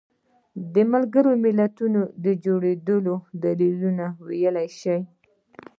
د ملګرو ملتونو د جوړېدو دلیلونه وویلی شي.